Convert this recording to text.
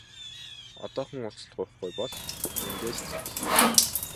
Одоохон уучлалт гуйхгүй бол эндээс зайл!